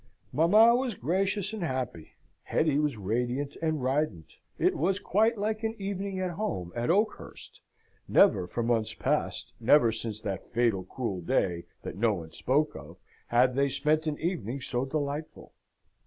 Mamma was gracious and happy. Hetty was radiant and rident. It was quite like an evening at home at Oakhurst. Never for months past, never since that fatal, cruel day, that no one spoke of, had they spent an evening so delightful.